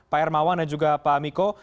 pak hermawan dan juga pak miko